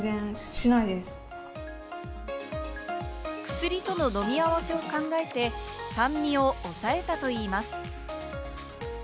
薬との飲み合わせを考えて酸味を抑えたといいます。